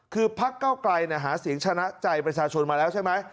คือพักเก้าไกลหาเสียงชนะใจประชาชนมาแล้วใช่ไหม